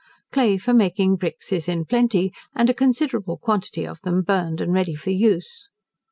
Clay for making bricks is in plenty, and a considerable quantity of them burned and ready for use.